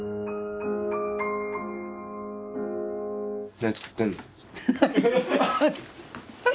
何作ってんの？